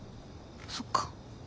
そっか。